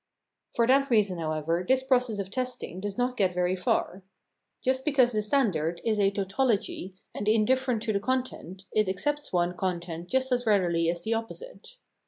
For that reason, however, this process of testing does not get very far. Just because the standard is a tau tology and indifferent to the content, it accepts one content just as readily as the opposite.